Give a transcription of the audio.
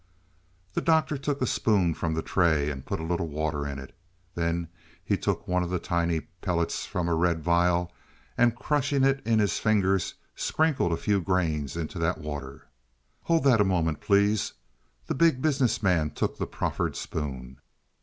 The Doctor took a spoon from the tray and put a little water in it. Then he took one of the tiny pellets from a red vial and crushing it in his fingers, sprinkled a few grains into that water. "Hold that a moment, please." The Big Business Man took the proffered spoon.